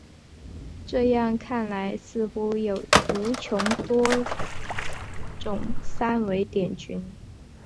这样看来似乎有无穷多种三维点群。